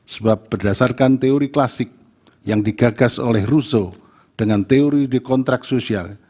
sebab berdasarkan teori klasik yang digagas oleh russo dengan teori dekontrak sosial